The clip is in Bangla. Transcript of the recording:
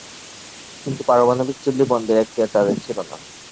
কিন্তু পারমাণবিক চুল্লী বন্ধের এখতিয়ার তাদের ছিল না।